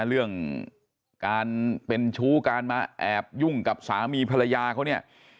เรื่องการเป็นชู้การมาแอบยุ่งกับสามีภรรยาเขาเนี่ย